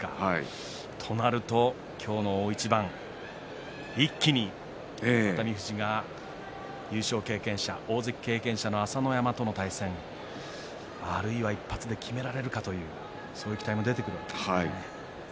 となると、今日の大一番一気に熱海富士が優勝経験者、大関経験者の朝乃山との対戦、あるいは１発できめられるかという、そういう期待も出てくるわけですね。